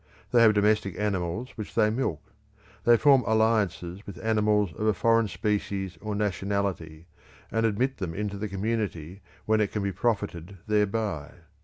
They have domestic animals which they milk. They form alliances with animals of a foreign species or nationality and admit them into the community when it can be profited thereby.